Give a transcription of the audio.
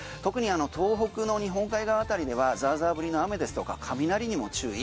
特に東北の日本海側辺りではザーザー降りの雨ですとか雷にも注意。